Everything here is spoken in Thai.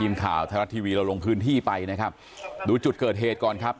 ทีมข่าวไทยรัฐทีวีเราลงพื้นที่ไปนะครับดูจุดเกิดเหตุก่อนครับ